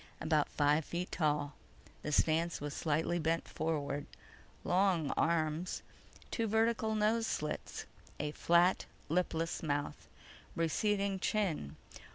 About five feet tall. The stance was slightly bent forward, long arms. Two vertical nose slits. A flat, lipless mouth. Receding chin.